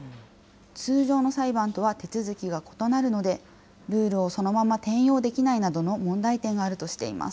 通常の裁判とは手続きが異なるので、ルールをそのまま転用できないなどの問題点があるとしています。